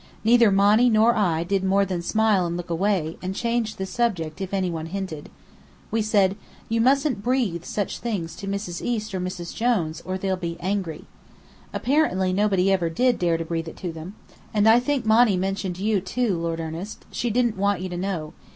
Neither Monny nor I did more than smile and look away, and change the subject if any one hinted. We said, 'You mustn't breathe such things to Mrs. East or Mrs. Jones, or they'll be angry.' Apparently nobody ever did dare to breathe it to them. And I think Monny mentioned you, too, Lord Ernest. She didn't want you to know.